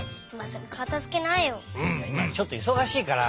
いまちょっといそがしいから。